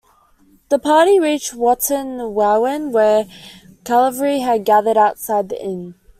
The party reached Wootton Wawen where cavalry had gathered outside the inn.